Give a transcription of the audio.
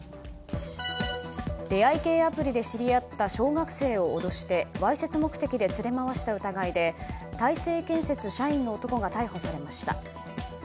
出会い系アプリで知り合った小学生を脅してわいせつ目的で連れ回した疑いで大成建設社員の男が逮捕されました。